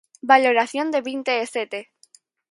Valoración de vinte e sete.